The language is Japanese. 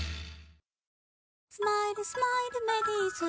「スマイルスマイルメリーズ」